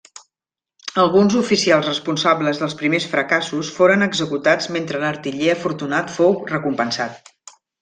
Alguns oficials responsables dels primers fracassos foren executats mentre l'artiller afortunat fou recompensat.